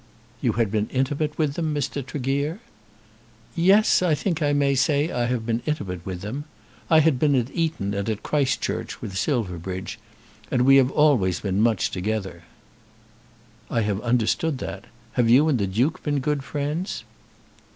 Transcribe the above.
"You had been intimate with them, Mr. Tregear?" "Yes; I think I may say I have been intimate with them. I had been at Eton and at Christ Church with Silverbridge, and we have always been much together." "I have understood that. Have you and the Duke been good friends?"